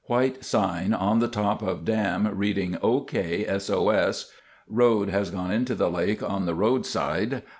White sign on the top of dam reading OK SOS. Road has gone into the lake on the road side.